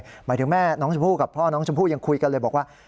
หมายถึงแม่น้องชมพู่กับพ่อน้องชมพู่ยังคุยกันเลยบอกว่า